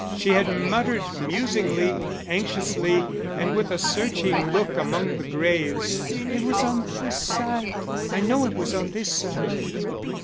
She had muttered musingly, anxiously, and with a searching look among the graves: "It was on this side. I know it was on this side."